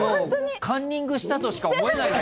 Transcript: カンニングしたとしか思えない。